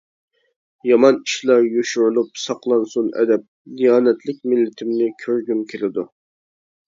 يامان ئىشلار يوشۇرۇلۇپ، ساقلانسۇن ئەدەپ، دىيانەتلىك مىللىتىمنى كۆرگۈم كېلىدۇ.